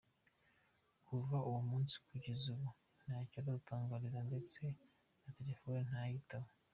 Kuva uwo munsi kugeza ubu ntacyo aradutangariza, ndetse naa telefone ntayitaba.